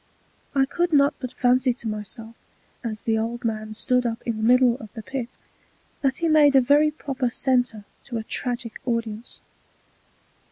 I could not but fancy to myself, as the old Man stood up in the middle of the Pit, that he made a very proper Center to a Tragick Audience.